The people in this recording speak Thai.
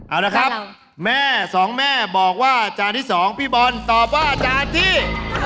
เอาละครับแม่สองแม่บอกว่าจานที่๒พี่บอลตอบว่าจานที่